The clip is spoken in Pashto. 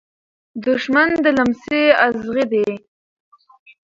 دښمن د لمڅی ازغي دی .